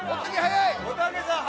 ・おたけさん